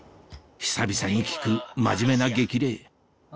久々に聞く真面目な激励あ。